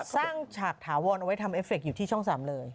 สร้างฉากถาวนเอาไว้ทำเอฟเฟคท์อยู่ที่ช่องสามเลย